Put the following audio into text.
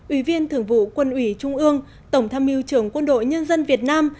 ủy viên thường vụ quân ủy trung ương tổng tham mưu trưởng quân đội nhân dân việt nam